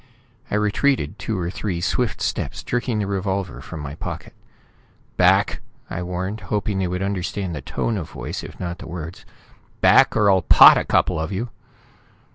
I retreated two or three swift steps, jerking the revolver from my pocket. "Back!" I warned, hoping they would understand the tone of voice if not the words. "Back or I'll pot a couple of you!"